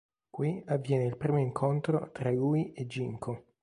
Qui avviene il primo incontro tra lui e Ginko.